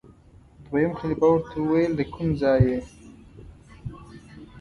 دویم خلیفه ورته وویل دکوم ځای یې؟